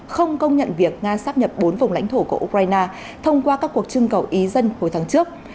không công nhận việc nga xác nhập bốn vùng lãnh thổ của ukraine thông qua các cuộc trưng cầu ý dân hồi tháng trước